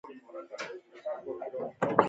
بُست د هلمند يوه ډېره تاريخي سیمه ده.